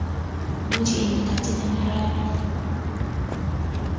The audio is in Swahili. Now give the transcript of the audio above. Muchi inakatika na radi